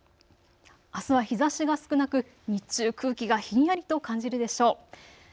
あすは日ざしが少なく日中、空気がひんやりと感じるでしょう。